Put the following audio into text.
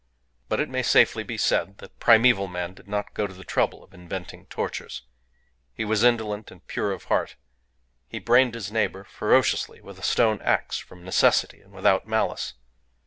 But it may safely be said that primeval man did not go to the trouble of inventing tortures. He was indolent and pure of heart. He brained his neighbour ferociously with a stone axe from necessity and without malice.